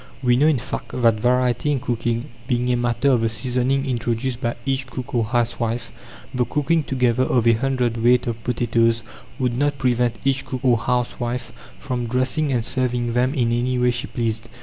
We know, in fact, that variety in cooking being a matter of the seasoning introduced by each cook or housewife, the cooking together of a hundredweight of potatoes would not prevent each cook or housewife from dressing and serving them in any way she pleased.